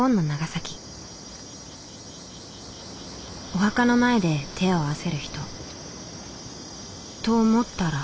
お墓の前で手を合わせる人。と思ったら。